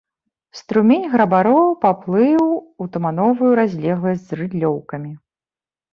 Струмень грабароў паплыў у тумановую разлегласць з рыдлёўкамі.